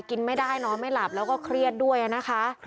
กินไม่ได้นอนไม่หลับแล้วก็เครียดด้วยนะคะ